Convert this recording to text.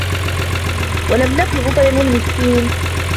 وَلَم نَكُ نُطعِمُ المِسكينَ